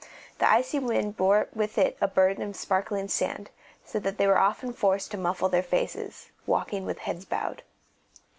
The icy wind bore with it a burden of sparkling sand, so that they were often forced to muffle their faces, walking with heads bowed.